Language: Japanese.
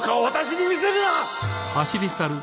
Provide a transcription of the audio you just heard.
私に見せるな！